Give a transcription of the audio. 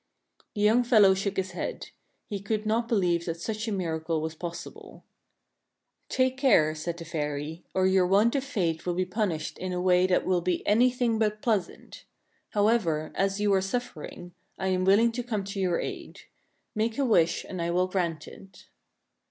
The young fellow shook his head. He could not believe that such a miracle was possible. THE FATAL WISH 67 " Take care," said the fairy, "or your want of faith will be punished in a way that will be anything but pleasant. How ever, as you are suffering, I am willing to come to your aid. Make a wish, and I will grant it."